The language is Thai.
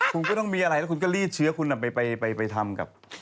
คุณก็ต้องมีอะไรแล้วคุณก็รีดเชื้อคุณไปทำกับ